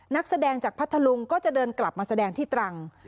นักแสดงจากพัทธลุงก็จะเดินกลับมาแสดงที่ตรัง